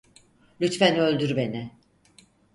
Lütfen öldür beni.